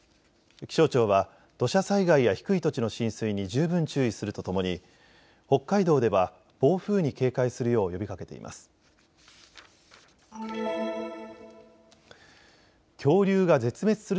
気象庁は土砂災害や低い土地の浸水に十分注意するとともに北海道では暴風に警戒するよう呼びかけています。